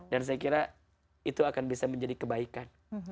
dan saya kira itu akan bisa menjadi kebaikan